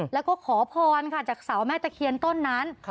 แล้วก็ขอพรค่ะจากเสาแม่ตะเคียนต้นนั้น